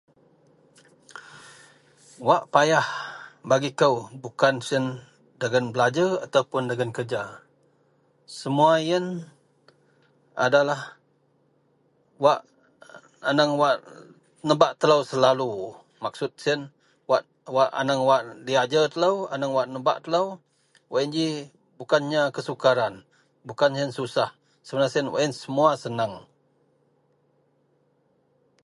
wak payah bagi kou bukan sien dagen belajer ataupun dagen kerja, semua ien adalah wak anang wak nebak telou selalu, maksud sien wak-wak aneng wak diajer telou aneng wak nebak telou, wak ien ji bukannya kesukaran bukan sien susah, sebenar sien wak ien semua senang